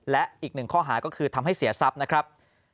และอีกหนึ่งข้อหาก็คือทำให้เสียทรัพย์นะครับ